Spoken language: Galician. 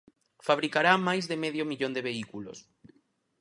Fabricará máis de medio millón de vehículos.